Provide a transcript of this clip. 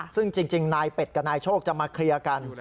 ซึ่งจริงนายเป็ดกับนายโชคจะมาเคลียร์กัน